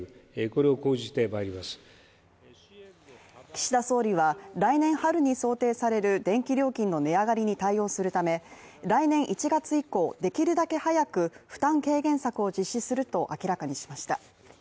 岸田総理は、来年春に想定される電気料金の値上がりに対応するため来年１月以降、できるだけ早く負担軽減策を実施すると明らかにしました。